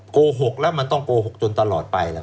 โกหกแล้วมันต้องโกหกจนตลอดไปล่ะ